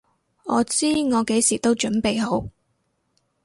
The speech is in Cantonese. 我知我幾時都準備好！